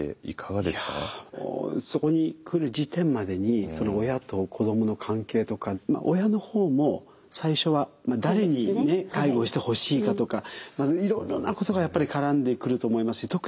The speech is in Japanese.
いやそこに来る時点までに親と子どもの関係とかまあ親の方も最初は誰に介護してほしいだとかいろいろなことがやっぱり絡んでくると思いますし